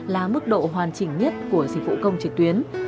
là mức độ hoàn chỉnh nhất của dịch vụ công trực tuyến